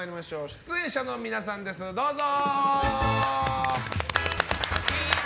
出演者の皆さんです、どうぞ！